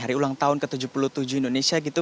hari ulang tahun ke tujuh puluh tujuh indonesia gitu